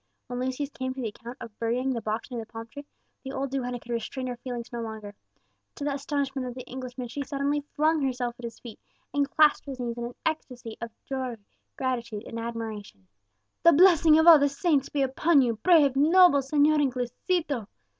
When Lucius came to the account of burying the box near the palm tree, the old duenna could restrain her feelings no longer. To the astonishment of the Englishman she suddenly flung herself at his feet, and clasped his knees in an ecstasy of gratitude, admiration, and joy! "The blessing of all the saints be upon you, brave, noble Señor Inglesito!"